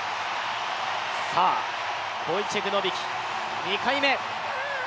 ボイチェク・ノビキ、２回目。